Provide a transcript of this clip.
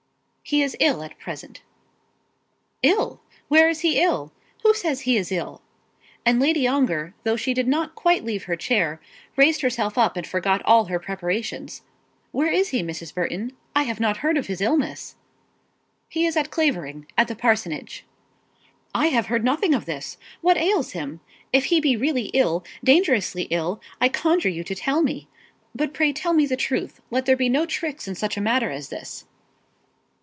"He is ill at present." "Ill! Where is he ill? Who says he is ill?" And Lady Ongar, though she did not quite leave her chair, raised herself up and forgot all her preparations. "Where is he, Mrs. Burton? I have not heard of his illness." "He is at Clavering; at the parsonage." "I have heard nothing of this. What ails him? If he be really ill, dangerously ill, I conjure you to tell me. But pray tell me the truth. Let there be no tricks in such a matter as this."